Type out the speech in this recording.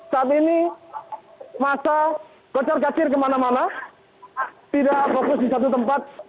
saat ini masa kocar kacir kemana mana tidak fokus di satu tempat